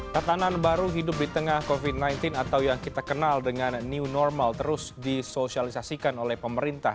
tatanan baru hidup di tengah covid sembilan belas atau yang kita kenal dengan new normal terus disosialisasikan oleh pemerintah